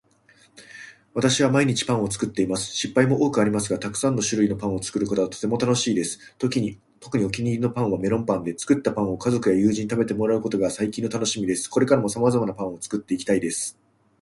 私は毎日パンを作っています。失敗も多くありますがたくさんの種類パンを作ることはとても楽しいです。特にお気に入りのパンは、メロンパンで、作ったパンを家族や友人に食べてもらうことが最近のたのしみです。これからも様々なパンを作っていきたいです。